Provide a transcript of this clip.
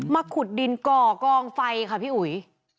ขุดดินก่อกองไฟค่ะพี่อุ๋ย